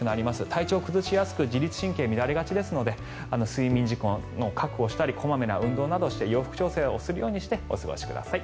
体調、崩しやすく自律神経が乱れがちですので睡眠時間を確保したり小まめな運動などして洋服調整をするようにしてお過ごしください。